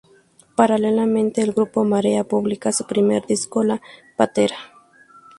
Paralelamente, el grupo Marea publica su primer disco, "La patera".